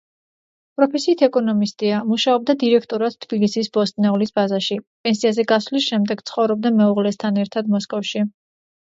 პროფესიით ეკონომისტია, მუშაობდა დირექტორად თბილისის ბოსტნეულის ბაზაში, პენსიაზე გასვლის შემდეგ ცხოვრობდა მეუღლესთან ერთად მოსკოვში.